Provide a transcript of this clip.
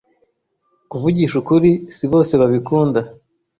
Kuvugisha ukuri, si bose babikunda.